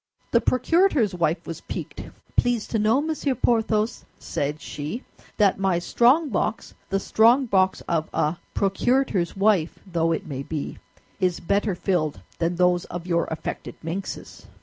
The procurator's wife was piqued. "Please to know, Monsieur Porthos," said she, "that my strongbox, the strongbox of a procurator's wife though it may be, is better filled than those of your affected minxes."